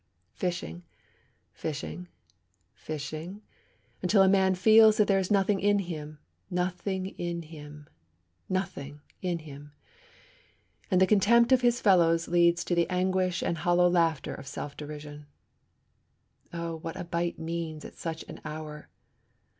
Fishing, fishing, fishing, until a man feels that there is nothing in him, nothing in him, nothing in him; and the contempt of his fellows leads to the anguish and hollow laughter of self derision. Oh, what a bite means at such an hour!